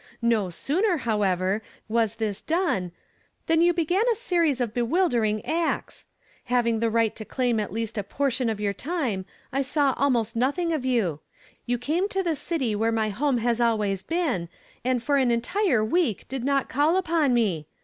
No sooner, however, was this done, than you began a series of bewildering acts. Having the right to claim at least a portion of your time, I saw almost nothmg of you. You came to the city where my home has always been, and for an entire week did not call upon me.